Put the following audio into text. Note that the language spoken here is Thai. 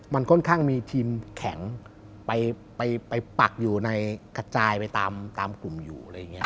มันค่อนข้างมีทีมแข็งไปปักอยู่ในกระจายไปตามกลุ่มอยู่อะไรอย่างนี้